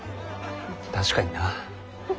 確かにな。